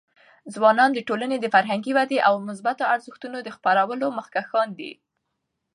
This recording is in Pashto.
ځوانان د ټولنې د فرهنګي ودي او د مثبتو ارزښتونو د خپرولو مخکښان دي.